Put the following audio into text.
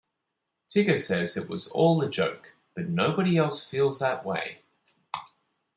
Tigger says it was all a joke, but nobody else feels that way.